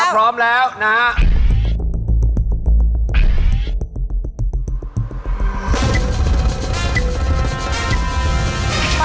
พร้อมแล้วนะฮะ